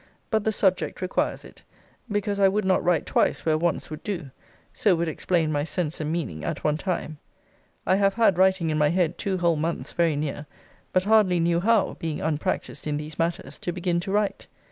But the subject requires it; because I would not write twice where once would do. So would explain my sense and meaning at one time. I have had writing in my head two whole months very near; but hardly knew how (being unpracticed in these matters) to begin to write.